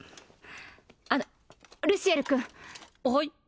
あのルシエル君はい？